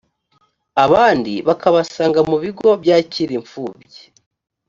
abandi bakabasanga mu bigo byakira imfubyi